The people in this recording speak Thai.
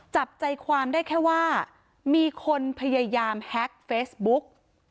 จับใจความได้แค่ว่ามีคนพยายามแฮ็กเฟซบุ๊ก